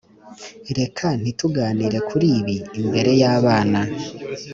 ] reka ntituganire kuri ibi imbere yabana.